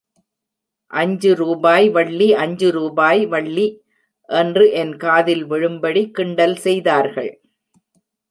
அஞ்சு ரூபாய் வள்ளி அஞ்சு ரூபாய் வள்ளி என்று என் காதில் விழும்படிக் கிண்டல் செய்தார்கள்.